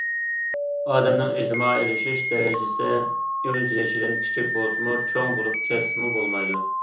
ئادەمنىڭ ئىجتىمائىيلىشىش دەرىجىسى ئۆز يېشىدىن كىچىك بولسىمۇ، چوڭ بولۇپ كەتسىمۇ بولمايدۇ.